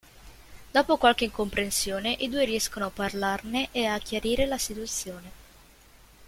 Dopo qualche incomprensione, i due riescono a parlarne e a chiarire la situazione.